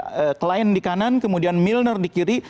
mereka klein di kanan kemudian milner di kiri